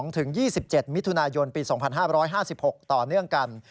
๒๒๗มิถุนายนปี๒๕๕๖ต่อเนื่องกัน